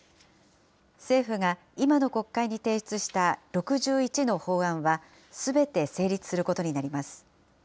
政府が今の国会に提出した６１の法案は、すべて成立することになります。